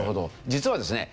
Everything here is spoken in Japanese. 実はですね